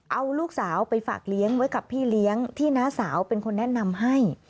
เอาลูกสาวไปฝากเลี้ยงไว้กับพี่เลี้ยงที่น้าสาวเป็นคนแนะนำให้